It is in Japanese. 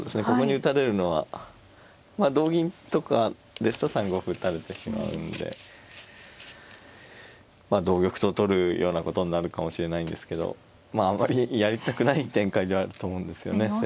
ここに打たれるのはまあ同銀とかですと３五歩打たれてしまうんでまあ同玉と取るようなことになるかもしれないんですけどまああまりやりたくない展開ではあると思うんですよね